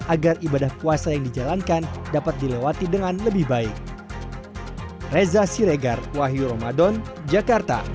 agar ibadah puasa yang dijalankan dapat dilewati dengan lebih baik